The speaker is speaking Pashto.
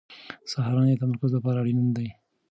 سهارنۍ د تمرکز لپاره اړینه ده.